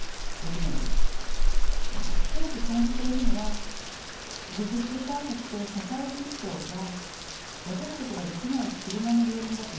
強く感じているのは技術開発と社会実装は分けることができない車の両輪だということです。